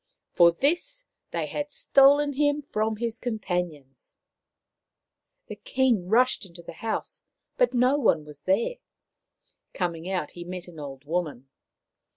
For this they had stolen him from his companions ! The King rushed into the house, but no one was there. Coming out, he met an old woman.